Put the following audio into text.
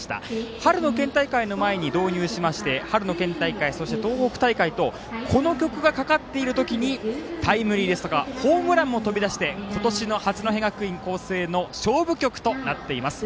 春の県大会の前に導入しまして春の県大会そして、東北大会とこの曲がかかっている時にタイムリーですとかホームランも飛び出して今年の八戸学院光星の勝負曲となっています。